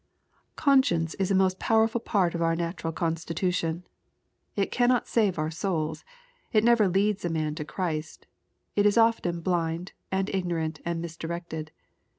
Conscience is a most powerful part of our natural constitution. It cannot save our souls. It never leads a man to Christ. It is often blind, and ignorant, and misdirected.